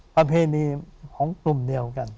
ประเพณีของกลุ่มเดียวกัน